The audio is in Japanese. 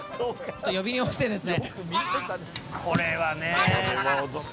呼び鈴を押してですね。